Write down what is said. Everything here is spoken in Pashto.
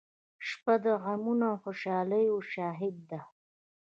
• شپه د غمونو او خوشالیو شاهد ده.